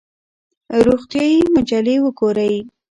روغتیایي مجلې وګورئ.